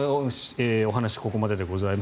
お話ここまででございます。